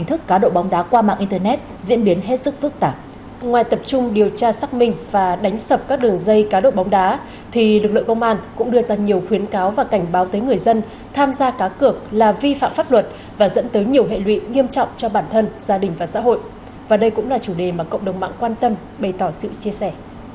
trong điều tra xác minh và đánh sập các đường dây cá độ bóng đá thì lực lượng công an cũng đưa ra nhiều khuyến cáo và cảnh báo tới người dân tham gia cá cực là vi phạm pháp luật và dẫn tới nhiều hệ lụy nghiêm trọng cho bản thân gia đình và xã hội và đây cũng là chủ đề mà cộng đồng mạng quan tâm bày tỏ sự chia sẻ